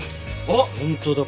あっ本当だ。